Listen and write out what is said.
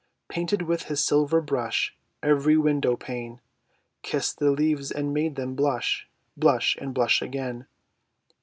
Painted with his silver brush Every window pane; Kissed the leaves and made them blush, Blush and blush again.